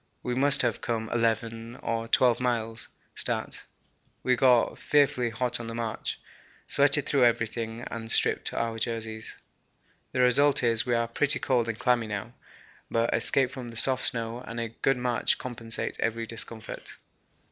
We must have come 11 or 12 miles (stat.). We got fearfully hot on the march, sweated through everything and stripped off jerseys. The result is we are pretty cold and clammy now, but escape from the soft snow and a good march compensate every discomfort.